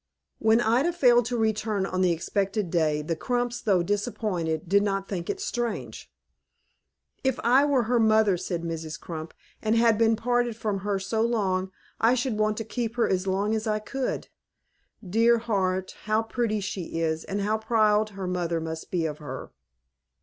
When Ida failed to return on the expected day, the Crumps, though disappointed, did not think it strange. "If I were her mother," said Mrs. Crump, "and had been parted from her so long, I should want to keep her as long as I could. Dear heart! how pretty she is, and how proud her mother must be of her!"